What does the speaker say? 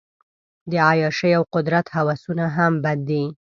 د عیاشۍ او قدرت هوسونه هم بد دي.